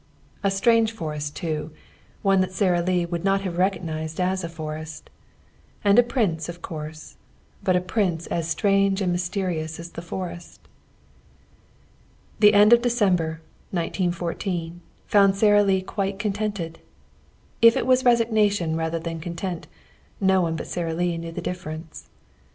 A strange forest, too one that Sara Lee would not have recognised as a forest. And a prince of course but a prince as strange and mysterious as the forest. The end of December, 1914, found Sara Lee quite contented. If it was resignation rather than content, no one but Sara Lee knew the difference.